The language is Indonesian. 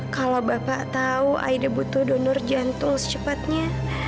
kalau bapak tahu aida butuh donor jantung secepatnya